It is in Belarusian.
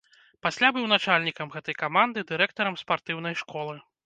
Пасля быў начальнікам гэтай каманды, дырэктарам спартыўнай школы.